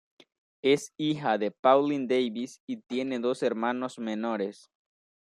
Es hija de Pauline Davis y tiene dos hermanos menores.